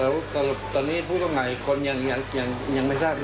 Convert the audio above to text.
แล้วตอนนี้ผู้หาคนยังไม่ทราบ